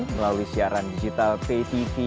melalui siaran digital patv